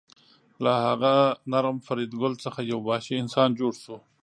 له هغه نرم فریدګل څخه یو وحشي انسان جوړ شو